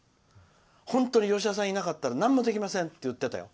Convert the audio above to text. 本当に吉田さんがいなかったら何もできませんって言ってたよ。